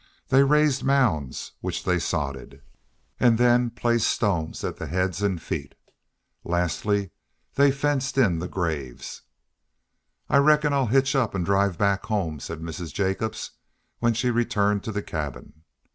They raised mounds, which they sodded, and then placed stones at the heads and feet. Lastly, they fenced in the graves. "I reckon I'll hitch up an' drive back home," said Mrs. Jacobs, when she returned to the cabin.